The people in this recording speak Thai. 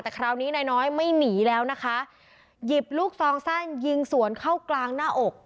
แต่คราวนี้นายน้อยไม่หนีแล้วนะคะหยิบลูกซองสั้นยิงสวนเข้ากลางหน้าอก